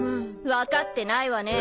わかってないわね。